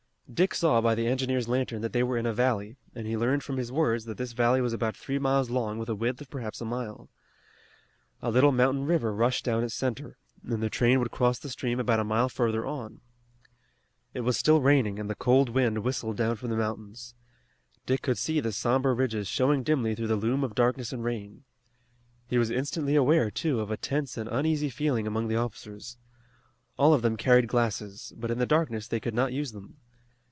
Dick saw by the engineer's lantern that they were in a valley, and he learned from his words that this valley was about three miles long with a width of perhaps half a mile. A little mountain river rushed down its center, and the train would cross the stream about a mile further on. It was still raining and the cold wind whistled down from the mountains. Dick could see the somber ridges showing dimly through the loom of darkness and rain. He was instantly aware, too, of a tense and uneasy feeling among the officers. All of them carried glasses, but in the darkness they could not use them.